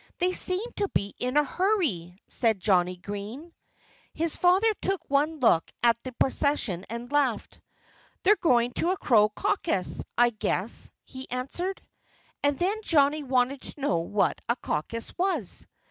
"They seem to be in a hurry," said Johnnie Green. His father took one look at the procession and laughed. "They're going to a crow caucus, I guess," he answered. And then Johnnie wanted to know what a caucus was.